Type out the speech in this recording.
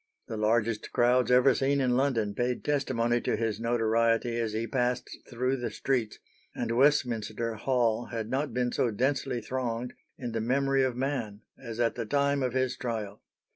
The largest crowds ever seen in London paid testimony to his notoriety as he passed through the streets; and Westminster Hall had not been so densely thronged in the memory of man as at the time of his trial.